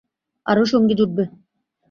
আরো সঙ্গী জুটবে।